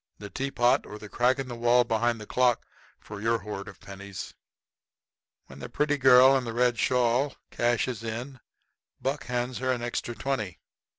The tea pot or the crack in the wall behind the clock for your hoard of pennies." When the pretty girl in the red shawl cashes in Buck hands her an extra twenty.